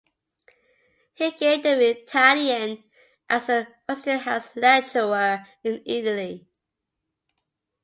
He gave them in Italian as a Westinghouse Lecturer in Italy.